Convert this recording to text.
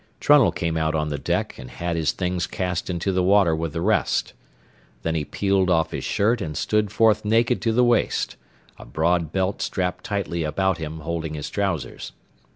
Trunnell came out on the deck and had his things cast into the water with the rest. Then he peeled off his shirt and stood forth naked to the waist, a broad belt strapped tightly about him holding his trousers.